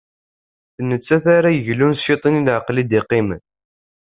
d nettat ara yeglun s ciṭ-nni n leɛqel i d-yeqqimen.